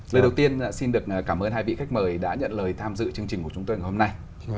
lời đầu tiên xin được cảm ơn hai vị khách mời đã nhận lời tham dự chương trình của chúng tôi ngày hôm nay